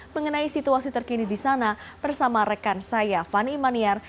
mengenai situasi terkini di sana bersama rekan saya fani maniar